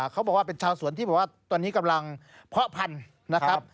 คุณบอกว่าเป็นชาวสวนที่ตอนนี้กำลังเพาะพันธุ์